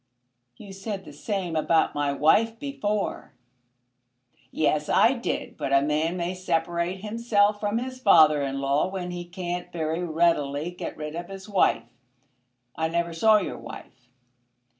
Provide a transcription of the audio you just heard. "You said the same about my wife before." "Yes, I did; but a man may separate himself from his father in law when he can't very readily get rid of his wife. I never saw your wife."